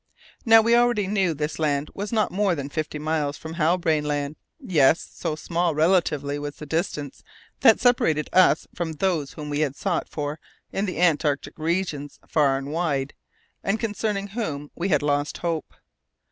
Now, we already knew this land was not more than fifty miles from Halbrane Land. Yes! so small, relatively, was the distance that separated us from those whom we had sought for in the antarctic regions far and wide, and concerning whom we had lost hope.